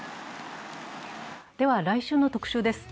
来週の特集です。